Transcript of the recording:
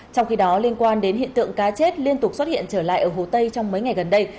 trong khi đó liên quan đến hiện tượng cá chết liên tục xuất hiện trở lại ở hồ tây trong mấy ngày gần đây